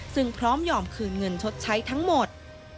ซึ่งพร้อมยอมคืนเงินชดใช้ทั้งหมด